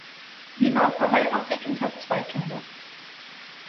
Sie war verheiratet und hat zwei Kinder.